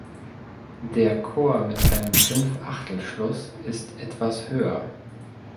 Der Chor mit einem Fünfachtelschluss ist etwas höher.